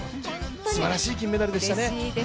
すばらしい金メダルでしたね。